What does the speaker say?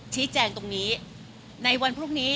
ชี้แจงตรงนี้ในวันพรุ่งนี้